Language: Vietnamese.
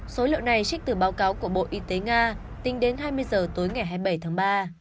số liệu này trích từ báo cáo của bộ y tế nga tính đến hai mươi giờ tối ngày hai mươi bảy tháng ba